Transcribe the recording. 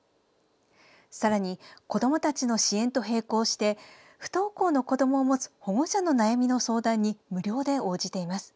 さらに、子どもたちの支援と並行して不登校の子どもを持つ保護者の悩みの相談に無料で応じています。